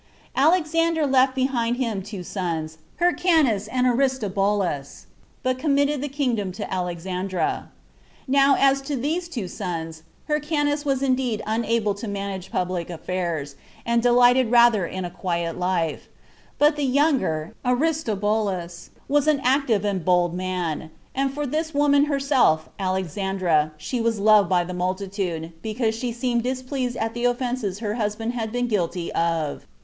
Alexander left behind him two sons, Hyrcanus and Aristobulus, but committed the kingdom to Alexandra. Now, as to these two sons, Hyrcanus was indeed unable to manage public affairs, and delighted rather in a quiet life; but the younger, Aristobulus, was an active and a bold man; and for this woman herself, Alexandra, she was loved by the multitude, because she seemed displeased at the offenses her husband had been guilty of.